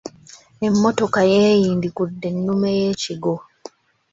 Emmotoka yeeeindiggudde ennume y'akigwo.